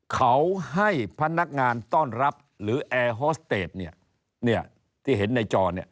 เขาให้พนักงานต้อนรับหรือแอร์ฮอสเตตที่เห็นในจอ